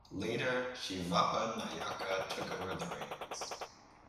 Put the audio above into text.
Later Shivappa Nayaka took over the reins.